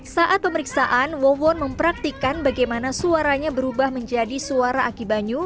saat pemeriksaan won era satu mempraktikan bagaimana suaranya berubah menjadi suara aki banyu